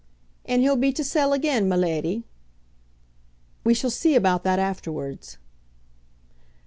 "And he'll be to sell again, my leddie?" "We shall see about that afterwards."